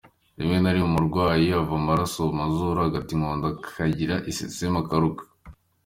Rimwe na rimwe umurwayi ava amaraso mu mazuru, agata inkonda, akagira iseseme akaruka.